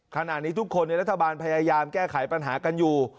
ขณะนี้ทุกคนในรัฐบาลพยายามแก้ไขปัญหากันอยู่